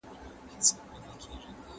پرون مي ستا په ياد كي